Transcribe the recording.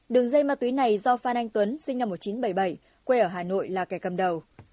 đường dây ma túy này do phan anh tuấn sinh năm một nghìn chín trăm bảy mươi bảy quê ở hà nội là kẻ cầm đầu